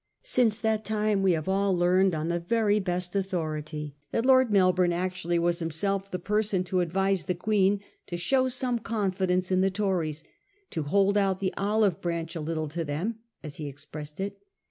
Since that time we have all learned on the very best autho rity that Lord Melbourne actually was himself the person to advise the Queen to show some confidence in the Tories — to 1 hold out the olive branch a little to them,' as he expressed it.